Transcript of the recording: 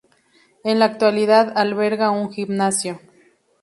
En la actualidad alberga un gimnasio.